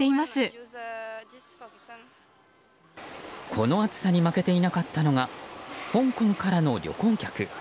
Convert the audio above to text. この暑さに負けていなかったのが香港からの旅行客。